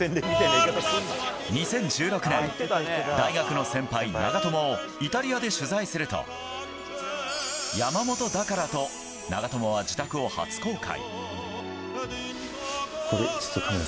２０１６年、大学の先輩長友をイタリアで取材すると山本だからと長友は自宅を初公開。